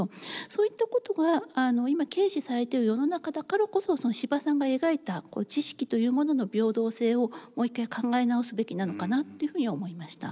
そういったことが今軽視されてる世の中だからこそ司馬さんが描いた知識というものの平等性をもう一回考え直すべきなのかなっていうふうに思いました。